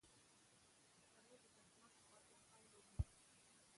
سړی د زحمت خوږه پایله ویني